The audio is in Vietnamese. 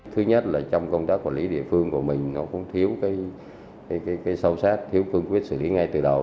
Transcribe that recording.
thứ nhất là trong công tác quản lý địa phương của mình nó cũng thiếu cái sâu sát thiếu phương quyết xử lý ngay từ đầu